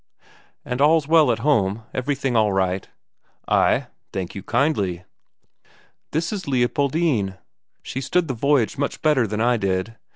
"And all's well at home, everything all right?" "Ay, thank you kindly." "This is Leopoldine; she's stood the voyage much better than I did.